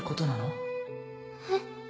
えっ？